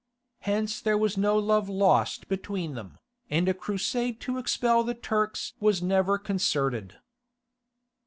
Hence there was no love lost between them, and a crusade to expel the Turks was never concerted.